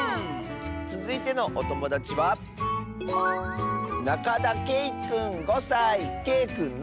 つづいてのおともだちはけいくんの。